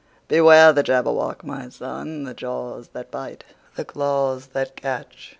"Beware the Jabberwock, my son! The jaws that bite, the claws that catch!